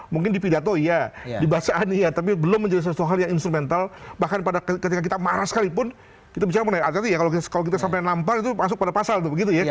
mungkin di pidato iya dibacaan iya tapi belum menjadi sesuatu hal yang instrumental bahkan ketika kita marah sekalipun kita bicara mengenai artinya kalau kita sampai nampar itu masuk pada pasal tuh begitu ya